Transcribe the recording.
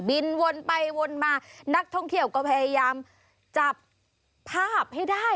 วนไปวนมานักท่องเที่ยวก็พยายามจับภาพให้ได้